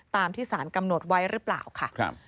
ตามที่สารกำหนดไว้หรือเปล่าค่ะ